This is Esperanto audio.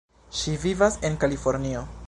Ŝi vivas en Kalifornio.